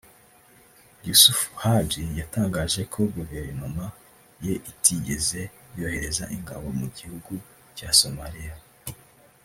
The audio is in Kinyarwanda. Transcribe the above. Yusuf Haji yatangaje ko Guverinoma ye itigeze yohereza ingabo mu gihugu cya Somalia